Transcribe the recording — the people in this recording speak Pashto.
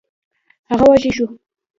هغه وږی شو.